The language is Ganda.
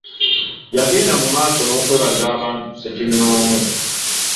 Yagenda mu maaso n'okwebaza abantu ssekinomu.